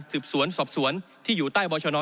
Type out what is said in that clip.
สืบสวนสอบสวนที่อยู่ใต้บรชน